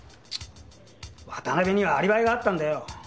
渡辺にはアリバイがあったんだよ。